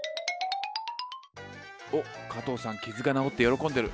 おっ加藤さん傷が治って喜んでる。